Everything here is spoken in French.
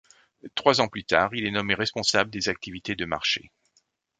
Trois ans plus tard, il est nommé responsable des activités de marchés.